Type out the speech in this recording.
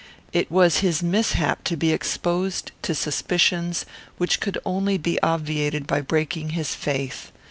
It was his mishap to be exposed to suspicions which could only be obviated by breaking his faith.